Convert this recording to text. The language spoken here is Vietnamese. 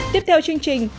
tiếp theo chương trình